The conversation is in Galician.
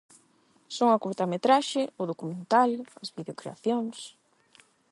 Son a curtametraxe, o documental, a videocreacións...